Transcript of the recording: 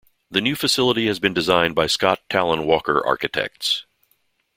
The new facility has been designed by Scott Tallon Walker architects.